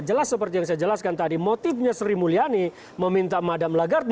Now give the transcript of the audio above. jelas seperti yang saya jelaskan tadi motifnya sri mulyani meminta madam lagarde